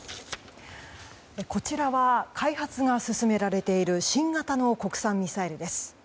こちらは開発が進められている新型の国産ミサイルです。